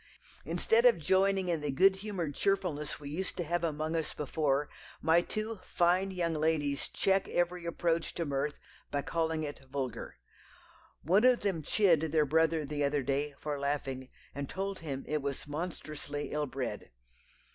Instead of joining in the good humoured cheerfulness we used to have among us before, my two fine young ladies check every approach to mirth, by calling it vulgar. One of them chid their brother the other day for laughing, and told him it was monstrously ill bred....